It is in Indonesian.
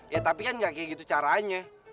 ya tapi kan gak kayak gitu caranya